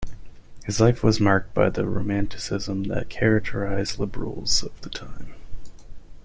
His life was marked by the romanticism that characterized liberals of the time.